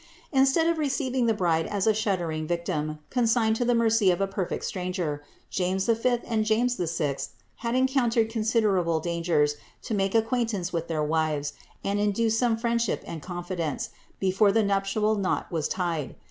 Instead of receiving the bride as a shuddering victim, consigned to the mercy of a perfect stranger, James V. and James VI. had encountered considerable dangers to make acquaintance with their wives, and induce some friendship and confi dence before the nuptial knot was tied.